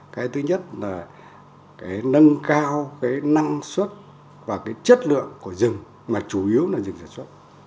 cái thứ nhất là nâng cao cái năng suất và cái chất lượng của rừng mà chủ yếu là rừng sản xuất